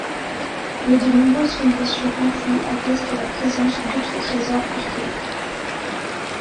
Mais de nombreuses fondations enfouies attestent la présence d'autres trésors archaïques.